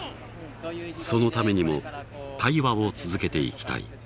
そのためにも対話を続けていきたい。